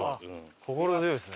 心強いですね。